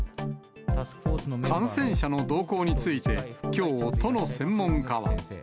感染者の動向について、きょう、都の専門家は。